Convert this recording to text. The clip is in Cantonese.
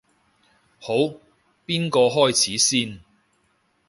好，邊個開始先？